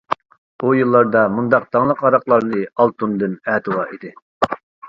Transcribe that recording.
ئۇ يىللاردا مۇنداق داڭلىق ھاراقلارنى ئالتۇندىن ئەتىۋار ئىدى.